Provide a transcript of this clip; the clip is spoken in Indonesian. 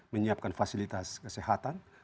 menyiapkan fasilitas kesehatan